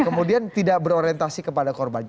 kemudian tidak berorientasi kepada korban